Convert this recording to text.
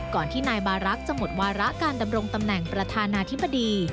ก่อนที่นายบารักษ์จะหมดวาระการดำรงตำแหน่งประธานาธิบดี